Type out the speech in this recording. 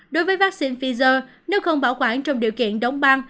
đối với vắc xin pfizer nếu không bảo quản trong điều kiện đóng băng